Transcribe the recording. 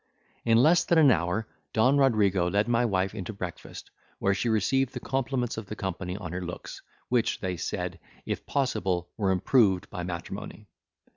In less than an hour, Don Rodrigo led my wife into breakfast, where she received the compliments of the company on her looks, which, they said, if possible, were improved by matrimony.